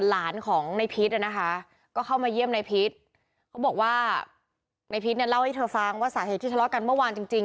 นายพิษเล่าให้เธอฟางว่าสาเหตุที่ทะเลาะกันเมื่อวานจริง